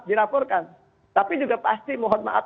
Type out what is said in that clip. dilaporkan tapi juga pasti mohon maaf